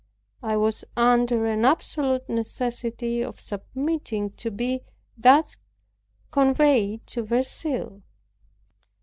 I was under an absolute necessity of submitting to be thus conveyed to Verceil.